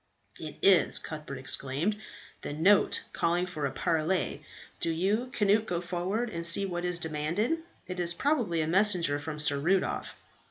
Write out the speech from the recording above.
"It is," Cuthbert exclaimed, "the note calling for a parley. Do you, Cnut, go forward, and see what is demanded. It is probably a messenger from Sir Rudolph."